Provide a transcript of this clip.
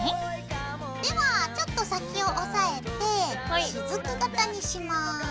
ではちょっと先を押さえてしずく型にします。